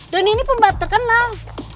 donny ini pembalap terkenal